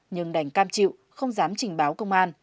nhưng đành cam chịu không dám trình báo công an